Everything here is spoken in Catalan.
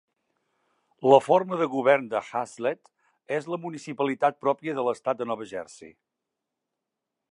La forma de govern de Hazlet és la municipalitat pròpia de l'estat de Nova Jersey.